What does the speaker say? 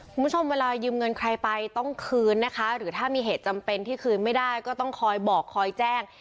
คุณผู้ชมเวลายืมเงินใครไปต้องคืนนะคะหรือถ้ามีเหตุจำเป็นที่คืนไม่ได้ก็ต้องคอยบอกคอยแจ้ง